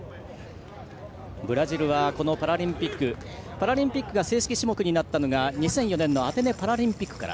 ブラジルはこのパラリンピックパラリンピックで正式種目になったのは２００４年のアテネパラリンピックから。